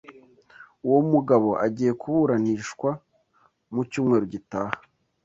Uwo mugabo agiye kuburanishwa mu cyumweru gitaha.